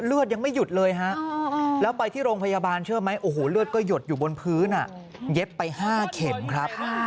เลือดยังไม่หยุดเลยฮะแล้วไปที่โรงพยาบาลเชื่อไหมโอ้โหเลือดก็หยดอยู่บนพื้นเย็บไป๕เข็มครับ